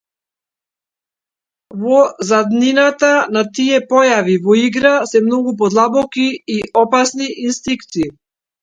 Во заднината на тие појави во игра се многу подлабоки и опасни инстинки!